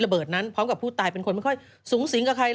ซึ่งตอน๕โมง๔๕นะฮะทางหน่วยซิวได้มีการยุติการค้นหาที่